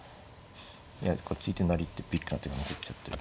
いやこれ突いて成りってビッグな手が残っちゃってる。